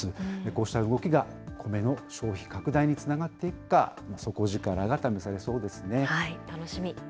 こうした動きがコメの消費拡大につながっていくか、底力が試され楽しみ。